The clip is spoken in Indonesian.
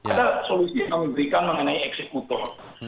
ada solusi yang kami berikan mengenai eksekutor